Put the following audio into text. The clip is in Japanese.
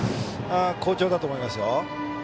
好調だと思いますよ。